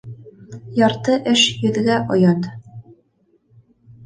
Ярты эш йөҙгә оят.